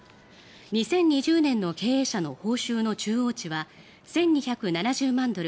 ２０２０年の経営者の報酬の中央値は１２７０万ドル